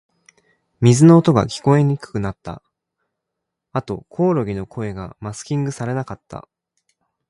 水の音が、聞こえにくくなった。あと、コオロギの声がマスキングされなかった。